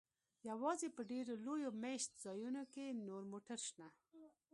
یوازې په ډیرو لویو میشت ځایونو کې نور موټر شته